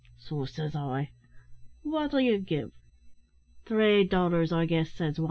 So says I, `Wot'll ye give?' "`Three dollars, I guess,' says wan.